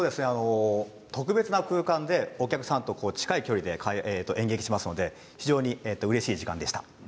特別な空間でお客さんと近い距離で演劇しますので非常にうれしい時間でした。